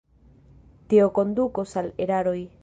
Tio kondukos al eraroj.